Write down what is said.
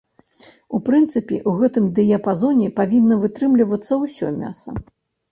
У прынцыпе, у гэтым дыяпазоне павінна вытрымлівацца ўсё мяса.